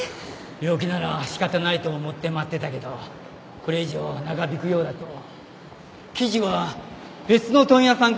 病気なら仕方ないと思って待ってたけどこれ以上長引くようだと生地は別の問屋さんから仕入れるしか。